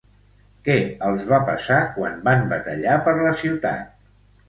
Què els va passar quan van batallar per la ciutat?